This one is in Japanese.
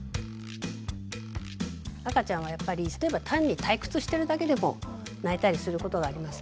赤ちゃんはやっぱり例えば単に退屈してるだけでも泣いたりすることがあります。